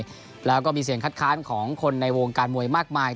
ขึ้นขึ้นชกบวยแล้วก็มีเสียงคัทค้านของคนในวงการมวยมากมาย